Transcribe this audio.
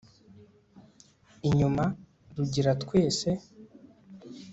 inyuma; rugira twese